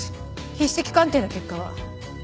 筆跡鑑定の結果は？